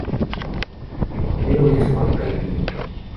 El primero es Juan Calvino.